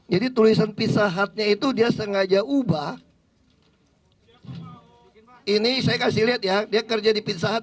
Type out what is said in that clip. jadi tulisan pisahat nya itu dia sengaja ubah ini saya kasih lihat ya dia kerja di pisahat